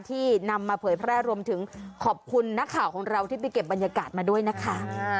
นำมาเผยแพร่รวมถึงขอบคุณนักข่าวของเราที่ไปเก็บบรรยากาศมาด้วยนะคะ